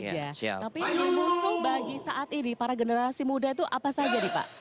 tapi mengusung bagi saat ini para generasi muda itu apa saja nih pak